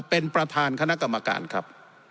เป็นประธานคณะกรรมการครับ